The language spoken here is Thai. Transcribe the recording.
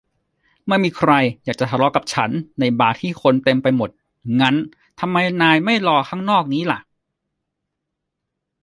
ไม่มีใครอยากจะทะเลาะกับฉันในบาร์ที่คนเต็มไปหมด งั้นทำไมนายไม่รอข้างนอกนี้ล่ะ